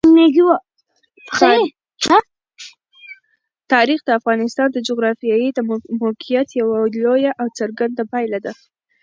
تاریخ د افغانستان د جغرافیایي موقیعت یوه لویه او څرګنده پایله ده.